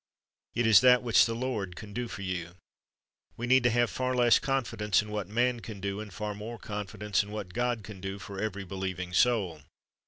It is that which the Lord can do for you. We need to have far less confidence in what man can do, and far more confidence in what God can do for every believing soul.